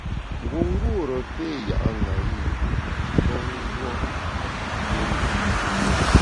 Ngungûre péé ya’ ṅayi mbe nguo nku njü.